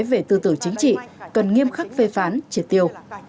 nhấn mạnh về tư tưởng chính trị cần nghiêm khắc phê phán triệt tiêu